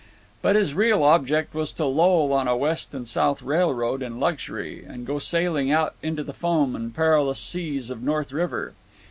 But his real object was to loll on a West and South Railroad in luxury, and go sailing out into the foam and perilous seas of North River.